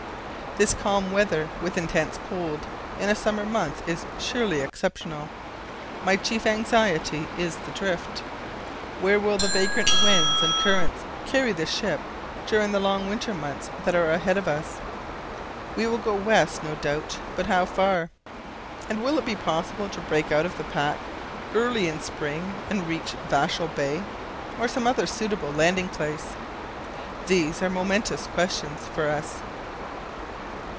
This calm weather with intense cold in a summer month is surely exceptional. My chief anxiety is the drift. Where will the vagrant winds and currents carry the ship during the long winter months that are ahead of us? We will go west, no doubt, but how far? And will it be possible to break out of the pack early in the spring and reach Vahsel Bay or some other suitable landing place? These are momentous questions for us."